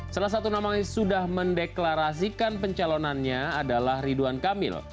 salah satu namanya sudah mendeklarasikan pencalonannya adalah ridwan kamil